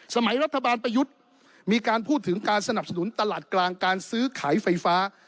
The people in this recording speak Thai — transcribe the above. สมัยรัฐบาลประยุทธ์มีการพูดถึงการสนับสนุนตลาดกลางการซื้อขายไฟฟ้า